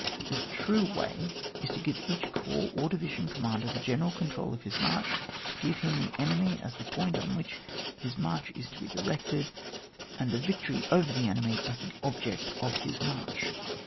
The true way is to give each coips, or division Commander, &e general control of his march, to give him the enemy as the point on which his march is to be directed, and the victory over the enemy as the object of his march.